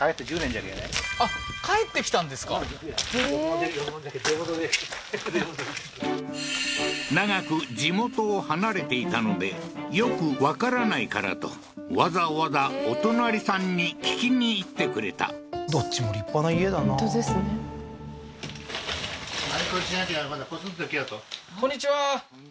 あっ帰ってきたんですか長く地元を離れていたのでよくわからないからとわざわざお隣さんに聞きに行ってくれたどっちも立派な家だな本当ですね何？